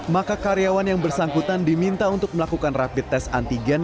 maka karyawan yang bersangkutan diminta untuk melakukan rapid test antigen